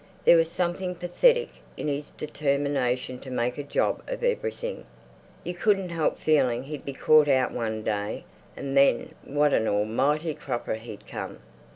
There was something pathetic in his determination to make a job of everything. You couldn't help feeling he'd be caught out one day, and then what an almighty cropper he'd come!